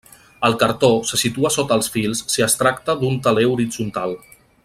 El cartó se situa sota els fils si es tracta d'un teler horitzontal.